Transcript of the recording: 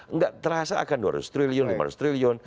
nggak terasa akan dua ratus triliun lima ratus triliun